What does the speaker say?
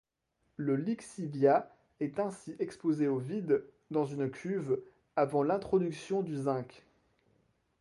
Le lixiviat est ainsi exposé au vide, dans une cuve, avant l'introduction du zinc.